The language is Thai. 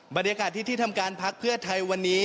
บรรยากาศที่ที่ทำการพักเพื่อไทยวันนี้